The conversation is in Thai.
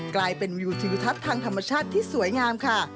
กลายเป็นวิวทิวทัศน์ทางธรรมชาติที่สวยงามค่ะ